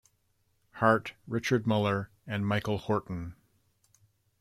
Hart, Richard Muller, and Michael Horton.